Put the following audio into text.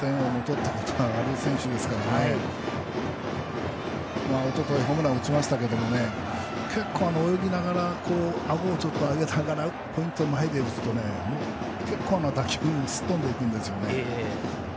最多安打も打点王もとったことがある選手ですけどおとといホームランを打ちましたけど、泳ぎながらあごを上げながらポイント前で打つと打球、すっ飛んでいくんです。